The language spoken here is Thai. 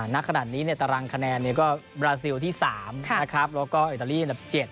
ณขนาดนี้ตารางคะแนนก็บราซิลที่๓แล้วก็อิตาลีอันดับ๗